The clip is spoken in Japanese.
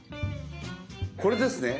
これですね。